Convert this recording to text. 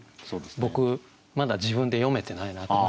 僕まだ自分で詠めてないなと。